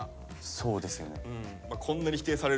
そうですよね。